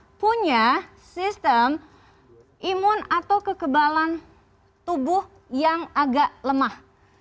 terutama buat anda yang punya sistem imun atau kekebalan tubuh yang agak lemah